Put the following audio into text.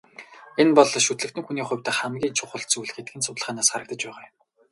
Энэ бол шүтлэгтэн хүний хувьд хамгийн чухал зүйл гэдэг нь судалгаанаас харагдаж байгаа юм.